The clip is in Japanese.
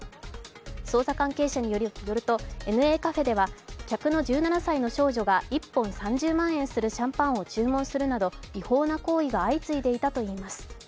捜査関係者によると、ＮＡカフェでは客の１７歳の少女が１本３０万円するシャンパンを注文するなど、違法な行為が相次いでいたといいます。